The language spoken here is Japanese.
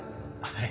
はい。